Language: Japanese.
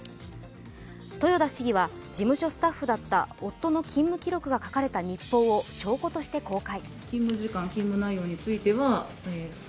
豊田市議は事務所スタッフだった夫の勤務記録が書かれた日報を証拠として公開。